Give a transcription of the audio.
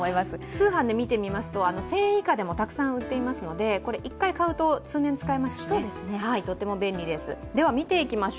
通販で見てみますと、１０００円以下でもたくさん売っていますので、１回買うと、通年、使えますしとても便利です。